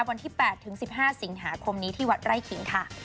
วันที่๘ถึง๑๕สิงหาคมนี้ที่วัดไร่ขิงค่ะ